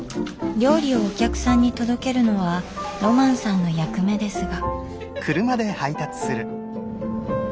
料理をお客さんに届けるのはロマンさんの役目ですが。